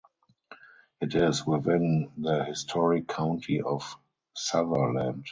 It is within the historic county of Sutherland.